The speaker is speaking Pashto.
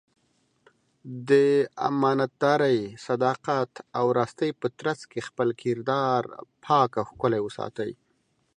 د امانتدارۍ، صداقت او راستۍ په ترڅ کې خپل کردار پاک او ښکلی وساتي.